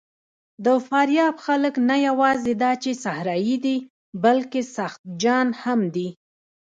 د فاریاب خلک نه یواځې دا چې صحرايي دي، بلکې سخت جان هم دي.